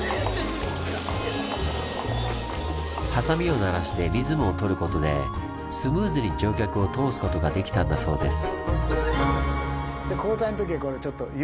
鋏を鳴らしてリズムをとることでスムーズに乗客を通すことができたんだそうです。